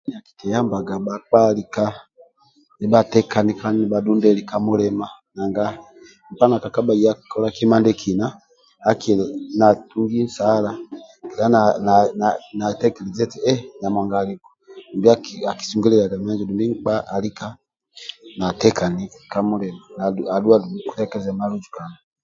Akikiyambaga bhakpa lika nibhateni kandi nibha dhundeli ka mulima nanga nkpa nakakabha ya kola kima ndiekina akili natungi nsala kedha natekelezi eti nyamuhanga aliku dumbi akisungeliaga menjo